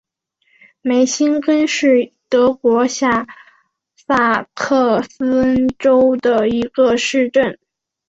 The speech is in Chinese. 梅辛根是德国下萨克森州的一个市镇。